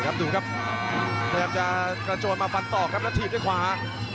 ดูครับพยายามจะกระโจนมาฟันต่อครับแล้วถีบด้วยขวา